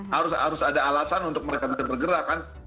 harus ada alasan untuk mereka bisa bergerak kan